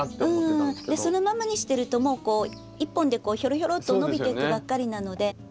そのままにしてるともう一本でひょろひょろっと伸びていくばっかりなので。